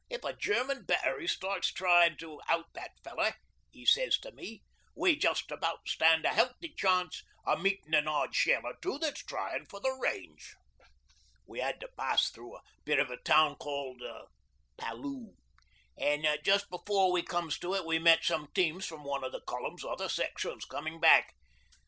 '"If a German battery starts trying to out that feller," he sez to me, "we just about stand a healthy chance of meetin' an odd shell or two that's tryin' for the range." 'We had to pass through a bit of a town called Palloo, an' just before we comes to it we met some teams from one of the Column's other sections comin' back.